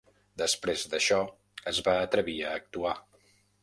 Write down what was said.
Després d'això, es va atrevir a actuar.